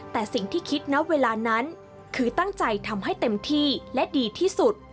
แต่สิ่งที่คิดณเวลานั้นคือตั้งใจทำให้เต็มที่และดีที่สุด